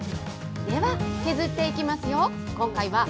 では、削っていきますよ。